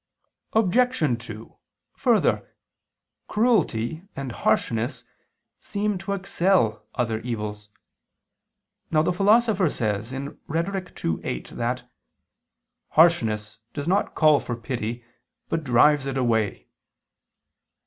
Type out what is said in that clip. Obj. 2: Further, cruelty and harshness seem to excel other evils. Now the Philosopher says (Rhet. ii, 8) that "harshness does not call for pity but drives it away."